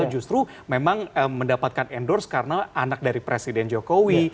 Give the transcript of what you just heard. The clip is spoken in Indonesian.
justru memang mendapatkan endorse karena anak dari presiden jokowi